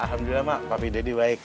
alhamdulillah mak papi deddy baik